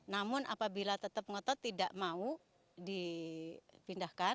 namun apabila tetap ngotot tidak mau dipindahkan